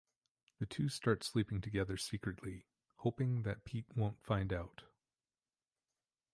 The two start sleeping together secretly, hoping that Pete won't find out.